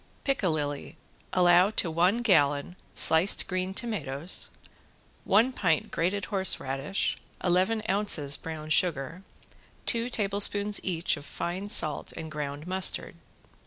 ~PICALILLI~ Allow to one gallon sliced green tomatoes one pint grated horseradish, eleven ounces brown sugar, two tablespoons each of fine salt and ground mustard.